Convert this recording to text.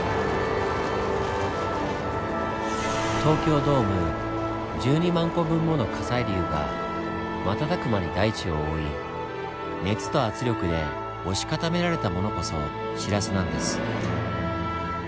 東京ドーム１２万個分もの火砕流が瞬く間に大地を覆い熱と圧力で押し固められたものこそシラスなんです。